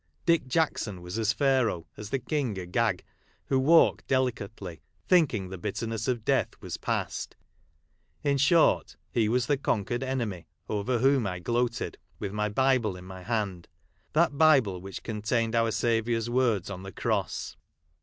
Dick Jackson was as Pharaoh, as the King Agag, who walked delicately, thinking the bitter ness of death was past, — iu short, he was the conquered enemy, over whom T gloated, with my Bible in my hand — that Bible which con tained our Saviour's words on the Cross.